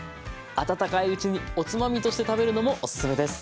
温かいうちにおつまみとして食べるのもお勧めです。